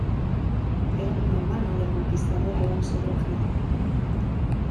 Era primo hermano del conquistador Alonso de Ojeda.